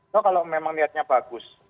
so kalau memang niatnya bagus